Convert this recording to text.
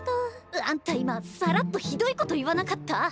あんた今さらっとひどいこと言わなかった？